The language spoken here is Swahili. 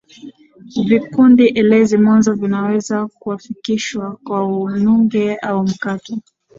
Vikundi elezi mwanzo vinaweza kuakifishwa kwa nunge au mkato.